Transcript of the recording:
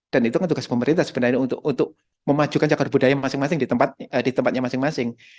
dan itu kan tugas pemerintah sebenarnya untuk memajukan cakar budaya masing masing di tempatnya masing masing